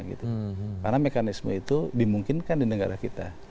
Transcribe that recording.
karena mekanisme itu dimungkinkan di negara kita